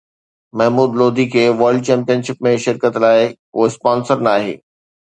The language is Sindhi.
محمود لوڌي کي ورلڊ چيمپيئن شپ ۾ شرڪت لاءِ ڪو اسپانسر ناهي